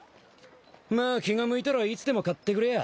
まあ気が向いたらいつでも買ってくれや。